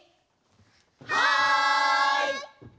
はい！